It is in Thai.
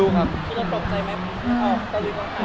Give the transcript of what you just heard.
คุณจะปลอบใจไหมออกตะวิทยาลังคา